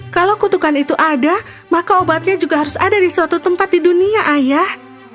kalau kutukan itu ada maka obatnya juga harus ada di suatu tempat di dunia ayah